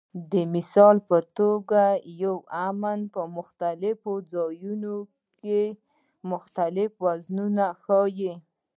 د مثال په توګه یو "امن" په مختلفو ځایونو کې مختلف وزنونه ښيي.